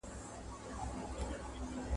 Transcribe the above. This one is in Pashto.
له قضا پر یوه کلي برابر سو ..